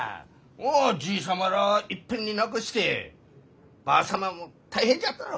じい様らあいっぺんに亡くしてばあ様も大変じゃったろ？